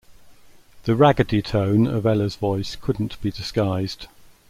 The raggedy tone of Ella's voice couldn't be disguised.